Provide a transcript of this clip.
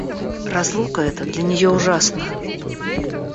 Разлука эта для нее ужасна.